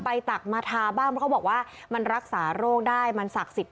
ตักมาทาบ้างเพราะเขาบอกว่ามันรักษาโรคได้มันศักดิ์สิทธิ